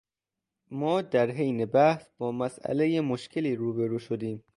ما در حین بحث با مسئلهٔ مشکلی رو به رو شدیم.